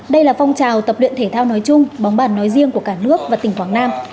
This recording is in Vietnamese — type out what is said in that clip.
đây là phong trào tập luyện thể thao nói chung bóng bàn nói riêng của cả nước và tỉnh quảng nam